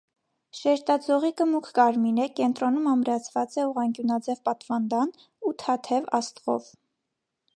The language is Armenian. Շերտաձողիկը մուգ կարմիր է, կենտրոնում ամրացված է ուղղանկյունաձեւ պատվանդան՝ ութաթև աստղով։